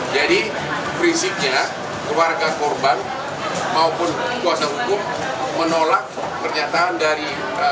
jadi prinsipnya keluarga korban maupun kuasa hukum menolak pernyataan dari